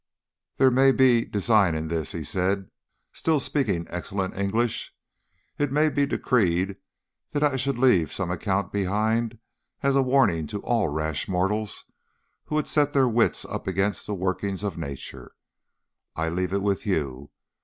"There may be design in this," he said, still speaking excellent English. "It may be decreed that I should leave some account behind as a warning to all rash mortals who would set their wits up against workings of Nature. I leave it with you.